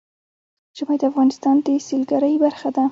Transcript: ژمی د افغانستان د سیلګرۍ برخه ده.